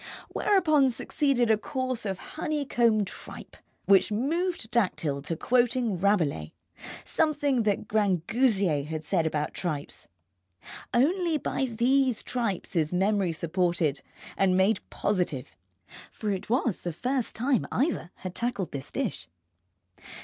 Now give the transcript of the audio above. Whereupon succeeded a course of honeycomb tripe, which moved Dactyl to quoting Rabelais, something that Grangousier had said about tripes. Only by these tripes is memory supported and made positive, for it was the first time either had tackled this dish.